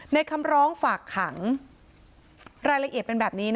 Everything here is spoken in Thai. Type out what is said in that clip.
คำร้องฝากขังรายละเอียดเป็นแบบนี้